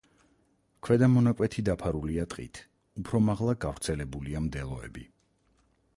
ქვედა მონაკვეთი დაფარულია ტყით, უფრო მაღლა გავრცელებულია მდელოები.